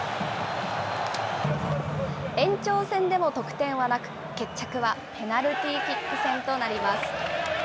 延長戦でも得点はなく、決着はペナルティーキック戦となります。